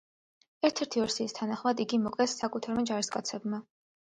ერთ-ერთი ვერსიის თანახმად იგი მოკლეს საკუთარმა ჯარისკაცებმა.